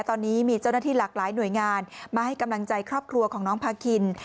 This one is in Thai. ตอนนี้มีเจ้าหน้าที่หลากหลายหน่วยงานมาให้กำลังใจครอบครัวของน้องพาคิน